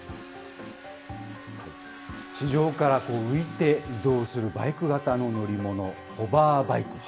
地上から浮いて移動するバイク型の乗り物、ホバーバイク。